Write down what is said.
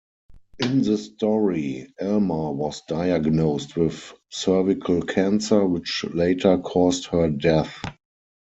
In the story, Alma was diagnosed with cervical cancer which later caused her death.